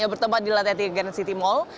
yang bertempat di latete grand city mall